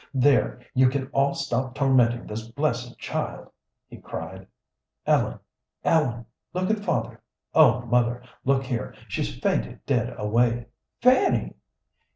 "There! you can all stop tormentin' this blessed child!" he cried. "Ellen, Ellen, look at Father! Oh, mother, look here; she's fainted dead away!" "Fanny!"